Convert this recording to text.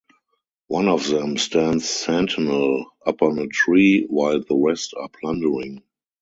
One of them stands sentinel upon a tree, while the rest are plundering.